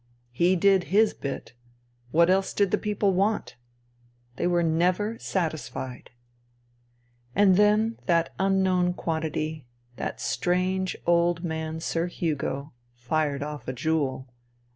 He did his bit. What else did the people want ? They were never satisfied. And then that unknown quantity, that strange old man Sir Hugo, fired off a jewel.